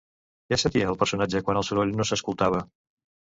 Què sentia el personatge quan el soroll no s'escoltava?